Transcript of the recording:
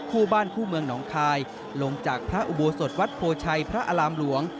คู่บ้านคู่เมืองหนองคายลงจากพระอุโบสถวัดโพชัยพระอารามหลวง